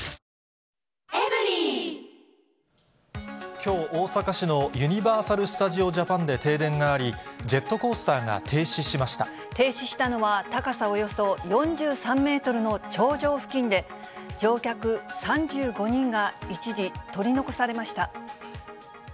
きょう、大阪市のユニバーサル・スタジオ・ジャパンで停電があり、ジェッ停止したのは、高さおよそ４３メートルの頂上付近で、乗客３５人が一時、取り残されました。